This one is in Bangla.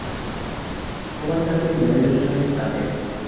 সবাই তাঁকে ম্যানেজার সাহেব ডাকেন।